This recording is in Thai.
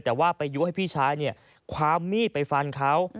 แต่ว่าไปยุให้พี่ชายความมีดไปฟันเขา